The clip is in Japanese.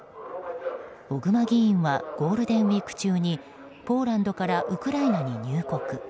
小熊議員はゴールデンウィーク中にポーランドからウクライナに入国。